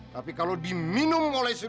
tapi kalau diminum oleh seluruh